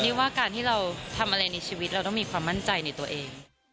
เรียกว่าการที่เราทำอะไรในชีวิตเราต้องมีความมั่นใจในตัวเอง